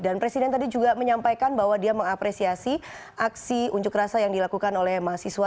dan presiden tadi juga menyampaikan bahwa dia mengapresiasi aksi unjuk rasa yang dilakukan oleh mahasiswa